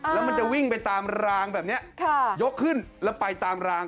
แล้วมันจะวิ่งไปตามรางแบบนี้ยกขึ้นแล้วไปตามราง